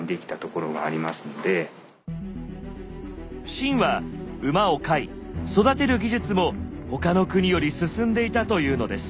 秦は馬を飼い育てる技術も他の国より進んでいたというのです。